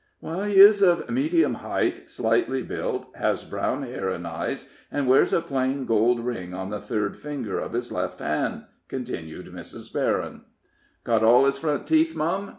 "He is of medium height, slightly built, has brown hair and eyes, and wears a plain gold ring on the third finger of his left hand," continued Mrs. Berryn. "Got all his front teeth, mum?"